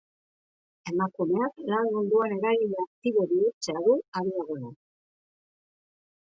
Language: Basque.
Emakumeak lan munduan eragile aktibo bihurtzea du abiagune.